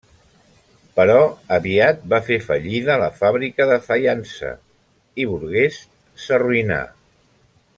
Però aviat va fer fallida la fàbrica de faiança i Burguès s'arruïnà.